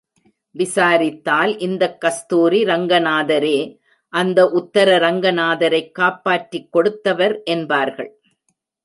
விசாரித்தால் இந்தக் கஸ்தூரி ரங்கநாதரே அந்த உத்தர ரங்கநாதரைக் காப்பாற்றிக் கொடுத்தவர் என்பார்கள்.